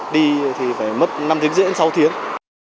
đi thì phải mất năm tiếng rễ sáu tiếng